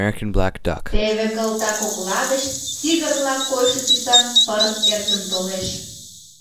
Теве кылта кокла гыч тигрла койшо тӱсан пырыс эркын толеш.